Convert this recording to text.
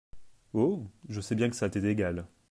Oh ? je sais bien que ça t’est égal !…